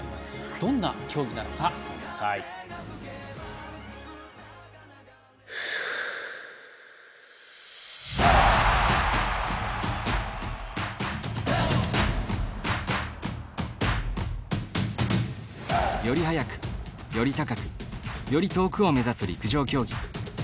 どんな競技なのかご覧ください。より速く、より高くより遠くを目指す陸上競技。